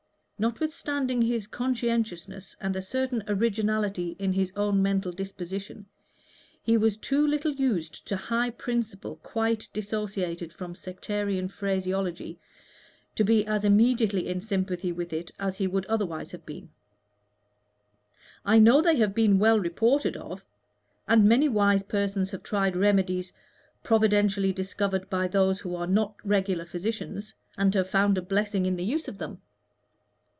Notwithstanding his conscientiousness and a certain originality in his own mental disposition, he was too little used to high principle quite dissociated from sectarian phraseology to be as immediately in sympathy with it as he would otherwise have been. "I know they have been well reported of, and many wise persons have tried remedies providentially discovered by those who are not regular physicians, and have found a blessing in the use of them.